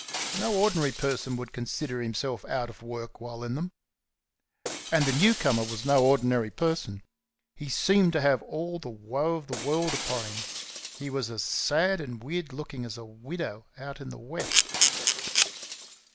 No ordinary person would consider himself out of work while in them. And the new comer was no ordinary person. He seemed to have all the woe of the world upon him; he was as sad and weird looking as a widow out in the wet.